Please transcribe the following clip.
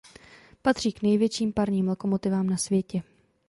Patří k největším parním lokomotivám na světě.